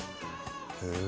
へえ。